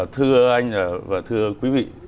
thưa anh và thưa quý vị